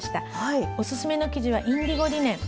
おすすめの生地はインディゴリネン。